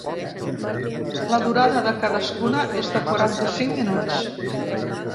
La durada de cadascuna és de quaranta-cinc minuts.